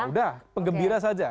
nah udah pengembira saja